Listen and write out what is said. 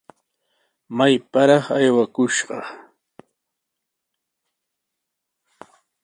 ¡Mayparaq aywakushqa!